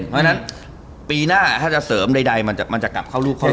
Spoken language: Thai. เพราะฉะนั้นปีหน้าถ้าจะเสริมใดมันจะกลับเข้ารูปเข้าห